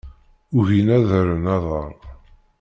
Ugin ad rren aḍar.